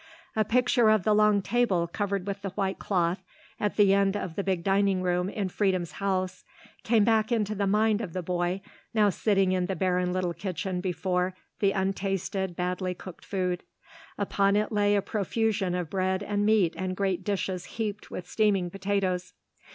A picture of the long table covered with the white cloth at the end of the big dining room in Freedom's house came back into the mind of the boy now sitting in the barren little kitchen before the untasted, badly cooked food. Upon it lay a profusion of bread and meat and great dishes heaped with steaming potatoes.